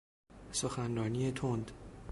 سخنرانی تند